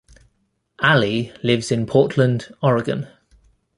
Allie lives in Portland, Oregon.